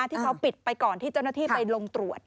ที่เขาปิดไปก่อนที่เจ้าหน้าที่ไปลงตรวจ